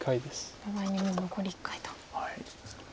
お互いにもう残り１回と。